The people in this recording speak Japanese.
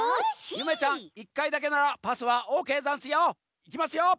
ゆめちゃん１かいだけならパスはオーケーざんすよ。いきますよ。